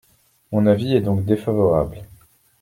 Mon avis est donc favorable.